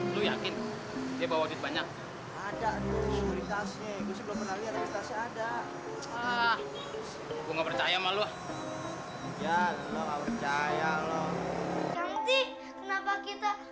nanti kenapa kita gak langsung ke rumah bapak